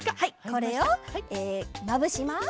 これをまぶします。